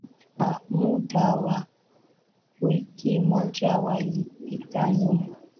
Kwa muda wa wiki moja walipita nyumba.